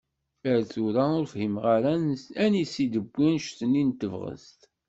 Ar tura ur fhimeɣ ara anisi d-tiwi anect-nni n tebɣest.